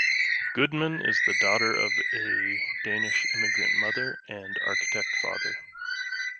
Goodman is the daughter of a Danish immigrant mother and architect father.